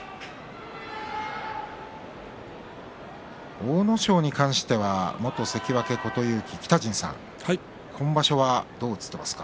阿武咲に関しては元関脇琴勇輝の北陣さん、今場所はどうですか？